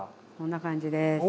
こんな感じです。